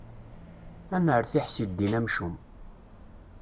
Ad nertiḥ si ddin amcum.